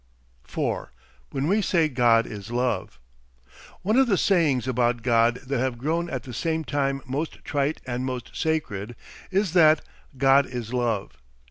... 4. WHEN WE SAY GOD IS LOVE One of the sayings about God that have grown at the same time most trite and most sacred, is that God is Love.